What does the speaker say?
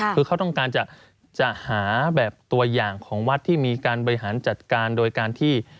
คือเขาต้องการจะหาแบบตัวอย่างของวัดที่มีการบริหารจัดการโดยการที่